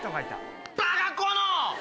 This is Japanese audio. バカこの！